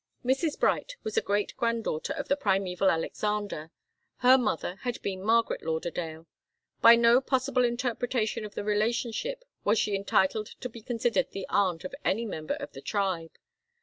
Mrs. Bright was a great granddaughter of the primeval Alexander. Her mother had been Margaret Lauderdale. By no possible interpretation of the relationship was she entitled to be considered the aunt of any member of the tribe.